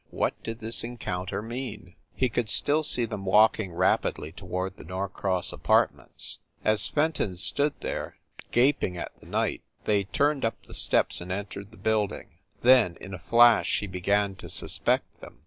What did this encounter mean ? He could still see them walking rapidly toward the Norcross Apartments. As Fenton stood there, gaping at the sight, they turned up the steps and entered the building. Then, in a flash he began to suspect them.